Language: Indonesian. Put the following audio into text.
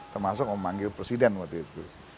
termasuk memanggil presiden waktu itu